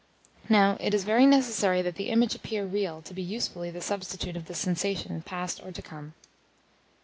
Now, it is very necessary that the image appear real to be usefully the substitute of the sensation past or to come.